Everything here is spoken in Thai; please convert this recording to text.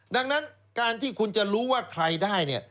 ดังนั้นการที่คุณจะรู้ว่าใครได้เนี่ย